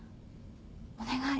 お願い。